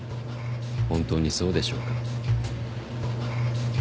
本当にそうでしょうか？